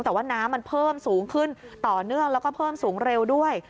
แต่ว่าน้ำมันเพิ่มสูงขึ้นต่อเนื่องแล้วก็เพิ่มสูงเร็วด้วย